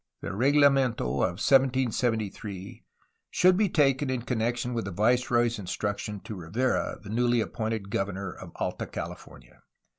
The reglamento of 1773 should be taken in connection with the viceroy's instructions to Rivera, the newly appointed governor of Alta California.